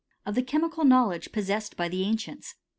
OF THE CHEMICAL KNOWLEDGE POSSESSED BY THX ANCIENTS.